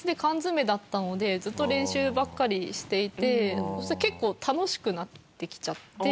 ずっと練習ばっかりしていてそしたら結構楽しくなってきちゃって。